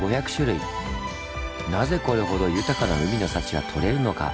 なぜこれほど豊かな海の幸が獲れるのか？